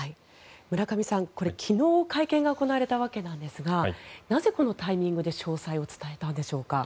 村上さん、昨日会見が行われたわけなんですがなぜ、このタイミングで詳細を伝えたのでしょうか？